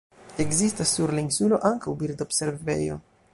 Ekzistas sur la insulo ankaŭ birdo-observejo.